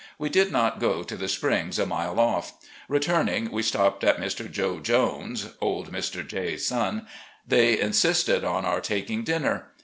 We did not go to the springs, a mile off. Returning, we stopped at Mr. Joe Jones's (old Mr. J 's son). They insisted on our taking dinner.